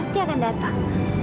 pasti akan datang